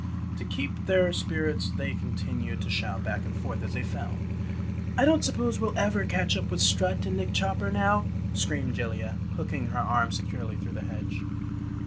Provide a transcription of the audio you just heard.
To keep up their spirits they continued to shout back and forth as they fell. "I don't suppose we'll ever catch up with Strut and Nick Chopper now," screamed Jellia, hooking her arms securely through the hedge.